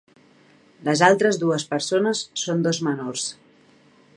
Les altres dues persones son dos menors.